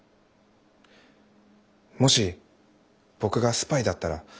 もし僕がスパイだったら。